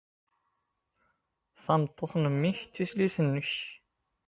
Tameṭṭut n memmi-k d tislit-nnek.